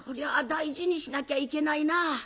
大事にしなきゃいけないな。